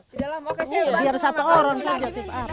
biar satu orang saja